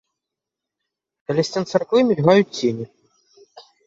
Каля сцен царквы мільгаюць цені.